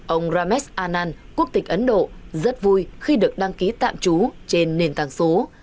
ông ramesh anand quốc tịch ấn độ rất vui khi được đăng ký tạm trú trên nền tàng số